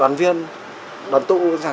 đoàn viên đoàn tụ chẳng hạn